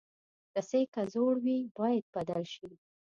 رسۍ که زوړ وي، باید بدل شي.